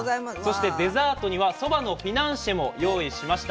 そしてデザートにはそばのフィナンシェも用意しました。